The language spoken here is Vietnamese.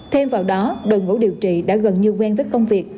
thêm vào đó đội ngũ điều trị đã gần như quen với công việc